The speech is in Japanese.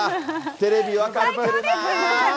テレビ分かってるなー。